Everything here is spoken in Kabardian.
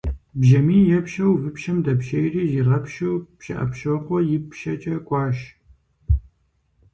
Бжьамий епщэу выпщэм дэпщейри, зигъэпщу Пщыӏэпщокъуэ ипщэкӏэ кӏуащ.